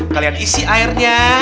kalian isi airnya